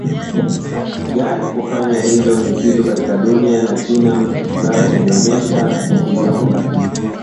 gani ya kufanya hilo Kila kitu katika dunia hii kina mtu Fulani aliyekianzisha Chameleone